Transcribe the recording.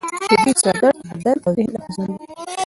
شدید سر درد بدن او ذهن اغېزمنوي.